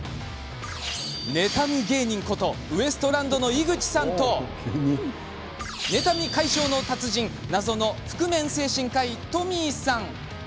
妬み芸人ことウエストランドの井口さんと妬み解消の達人謎の覆面精神科医、Ｔｏｍｙさん。